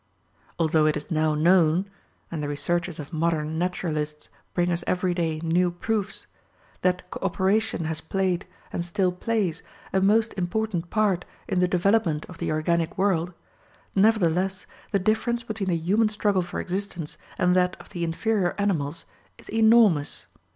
Although it is now known and the researches of modern naturalists bring us every day new proofs that co operation has played, and still plays, a most important part in the development of the organic world, nevertheless, the difference between the human struggle for existence and that of the inferior animals is enormous.